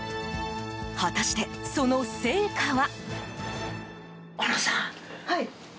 果たして、その成果は。